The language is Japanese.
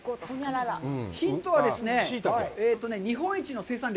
ヒントはですね、日本一の生産量。